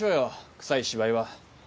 くさい芝居は。